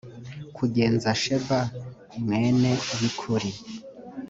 kugenza sheba mwene bikuri